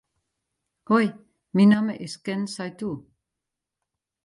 Hoi, myn namme is Ken Saitou.